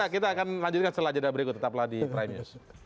kita akan lanjutkan setelah jeda berikut tetaplah di prime news